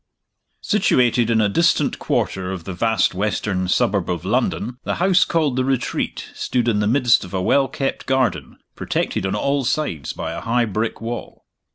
SITUATED in a distant quarter of the vast western suburb of London, the house called The Retreat stood in the midst of a well kept garden, protected on all sides by a high brick wall.